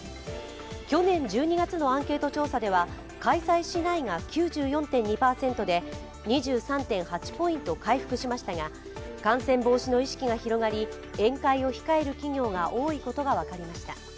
去年１２月のアンケート調査では開催しないが９４．２％で２３．８ポイント回復しましたが感染防止の意識が広がり宴会を控える企業が多いことが分かりました。